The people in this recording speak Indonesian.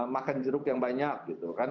makan jeruk yang banyak gitu kan